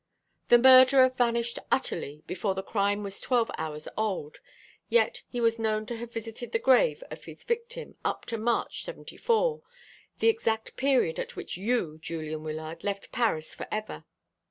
The murderer vanished utterly, before the crime was twelve hours old; yet he was known to have visited the grave of his victim up to March '74 the exact period at which you, Julian Wyllard, left Paris for ever.